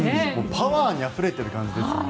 パワーにあふれている感じですよね。